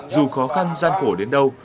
dù khó khăn gian khổ đến đâu